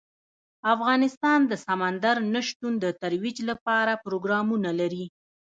افغانستان د سمندر نه شتون د ترویج لپاره پروګرامونه لري.